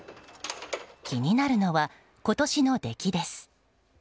気になるのは今年の出来です。